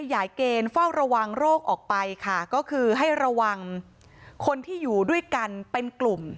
เกณฑ์เฝ้าระวังโรคออกไปค่ะก็คือให้ระวังคนที่อยู่ด้วยกันเป็นกลุ่ม